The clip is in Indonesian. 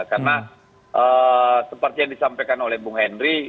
karena seperti yang disampaikan oleh bung henry